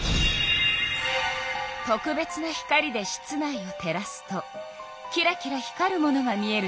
特別な光で室内を照らすとキラキラ光るものが見えるでしょ？